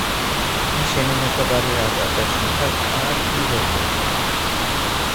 მე შენი მეგობარი ვარ და შენ ხარ კარგიიი რობოტი